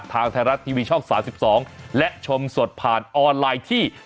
ทางไทยรัฐทีวีช่อง๓๒และชมสดผ่านออนไลน์ที่